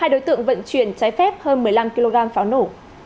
hai đối tượng vận chuyển trái phép hơn một mươi năm kg pháo nổ